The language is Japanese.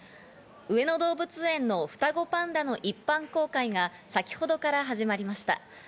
上野動物園の双子パンダの一般公開が先ほどから始まりました。